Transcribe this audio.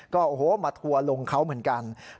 ก็มาทัวลงเขาเหมือนกัน